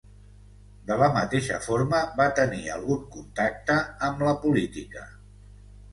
De la mateixa forma va tenir algun contacte amb la política.